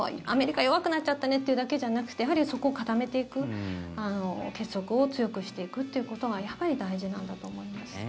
アメリカ弱くなっちゃったねっていうだけじゃなくてやはり、そこを固めていく結束を強くしていくということがやっぱり大事なんだと思います。